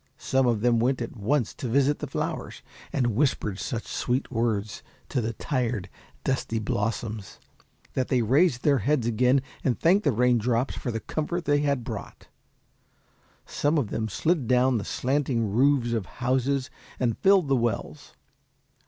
Some of them went at once to visit the flowers, and whispered such sweet words to the tired, dusty blossoms, that they raised their heads again, and thanked the raindrops for the comfort they had brought. Some of them slid down the slanting roofs of houses and filled the wells.